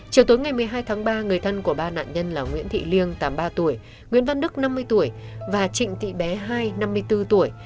chiều tối ngày một mươi hai tháng ba người thân của ba nạn nhân là nguyễn thị liêng tám mươi ba tuổi nguyễn văn đức năm mươi tuổi và trịnh thị bé hai năm mươi bốn tuổi